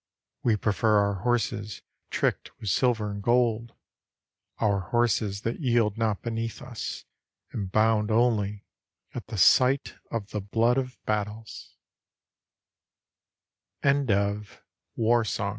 We prefer our horses tricked with silver and gold. Our horses that yield not beneath us And bound only at the sight of the blood of battle